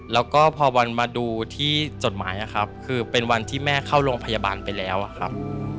แล้วก็พอวันมาดูที่จดหมายนะครับคือเป็นวันที่แม่เข้าโรงพยาบาลไปแล้วครับ